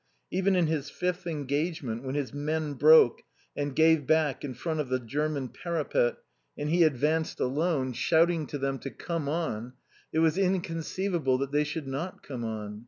Even in his fifth engagement, when his men broke and gave back in front of the German parapet, and he advanced alone, shouting to them to come on, it was inconceivable that they should not come on.